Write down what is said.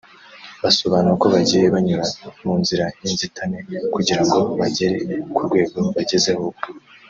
basobanura ko bagiye banyura mu nzira y’inzitane kugira ngo bagere ku rwego bagezeho ubu